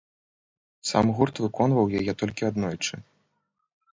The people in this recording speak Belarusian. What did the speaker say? Сам гурт выконваў яе толькі аднойчы.